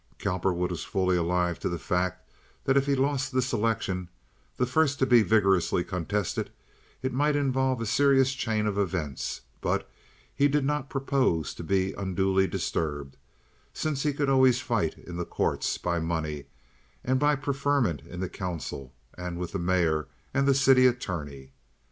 Cowperwood was fully alive to the fact that if he lost this election—the first to be vigorously contested—it might involve a serious chain of events; but he did not propose to be unduly disturbed, since he could always fight in the courts by money, and by preferment in the council, and with the mayor and the city attorney.